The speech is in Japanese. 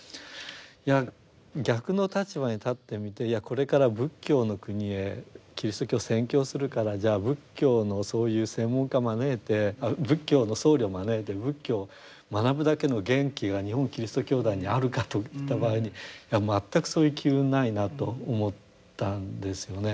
いや逆の立場に立ってみてこれから仏教の国へキリスト教を宣教するからじゃあ仏教のそういう専門家を招いて仏教の僧侶を招いて仏教を学ぶだけの元気が日本基督教団にあるかといった場合にいや全くそういう機運ないなと思ったんですよね。